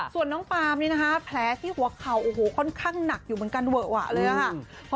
ส่วนน้องปามนี่นะคะแผลที่หัวเข่าโอ้โหค่อนข้างหนักอยู่เหมือนกันเวอะวะเลยค่ะ